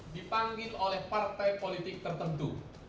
dipanggil oleh partai politik tertentu